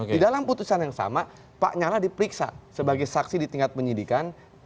di dalam putusan yang sama pak nyala diperiksa sebagai saksi di tingkat penyidikan